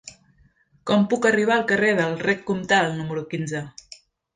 Com puc arribar al carrer del Rec Comtal número quinze?